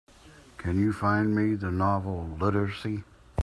Can you find me the novel, Literacy?